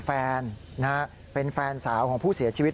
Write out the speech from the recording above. แฟนเป็นแฟนสาวของผู้เสียชีวิต